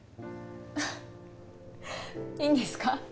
アハいいんですか？